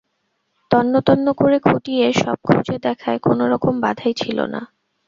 তন্নতন্ন করে খুঁটিয়ে সব খুঁজে দেখায় কোনোরকম বাধাই ছিল না।